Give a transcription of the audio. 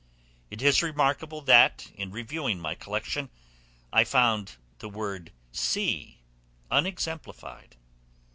It is remarkable that, in reviewing my collection, I found the word sea unexemplified.